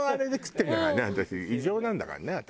異常なんだからね私。